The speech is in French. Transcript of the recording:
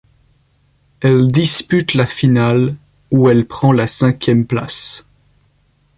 Elle dispute la finale, où elle prend la cinquième place.